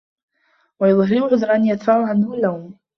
وَيُظْهِرُ عُذْرًا يَدْفَعُ عَنْهُ اللَّوْمَ